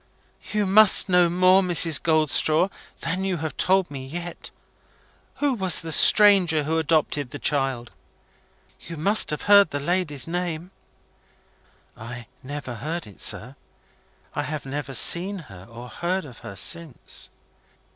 You must know more, Mrs. Goldstraw, than you have told me yet. Who was the stranger who adopted the child? You must have heard the lady's name?" "I never heard it, sir. I have never seen her, or heard of her, since."